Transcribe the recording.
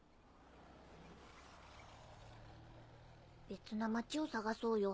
別な町を探そうよ。